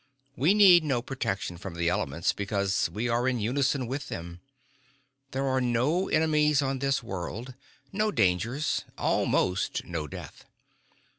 We need no protection from the elements because we are in unison with them. There are no enemies on this world, no dangers, almost no death.